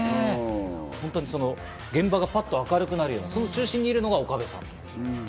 ホントに現場がパッと明るくなるような中心になるのは岡部さん。